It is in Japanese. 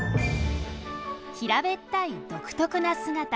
平べったい独特な姿。